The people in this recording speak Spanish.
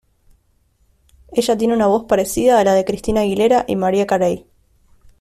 Ella tiene una voz parecida a la de Christina Aguilera y Mariah Carey.